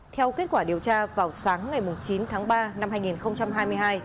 theo kết quả điều tra vào sáng ngày chín tháng ba năm hai nghìn hai mươi hai